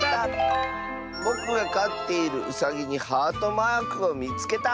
「ぼくがかっているうさぎにハートマークをみつけた！」。